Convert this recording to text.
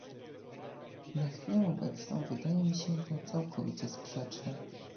Na chwilę obecną wydaje mi się to całkowicie sprzeczne